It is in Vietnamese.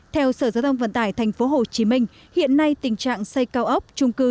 theo sở giao thông vận tải tp hcm hiện nay tình trạng xây cao ốc trung cư